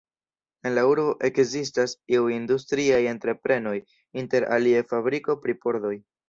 En la urbo ekzistas iuj industriaj entreprenoj, inter alie fabriko pri pordoj.